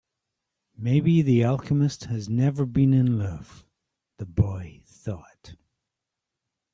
Maybe the alchemist has never been in love, the boy thought.